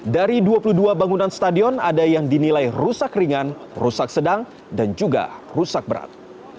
dari dua puluh dua bangunan stadion ada yang dinilai rusak ringan rusak sedang dan juga rusak berat